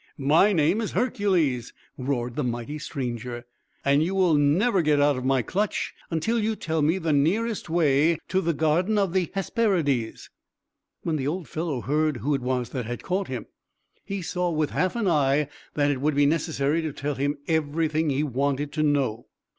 "My name is Hercules!" roared the mighty stranger. "And you will never get out of my clutch until you tell me the nearest way to the garden of the Hesperides!" When the old fellow heard who it was that had caught him, he saw with half an eye that it would be necessary to tell him everything that he wanted to know.